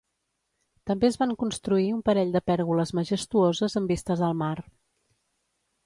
També es van construir un parell de pèrgoles majestuoses amb vistes al mar.